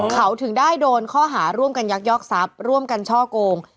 เขาถึงได้โดนข้อหาร่วมกันยักยอกทรัพย์ร่วมกันช่อโกง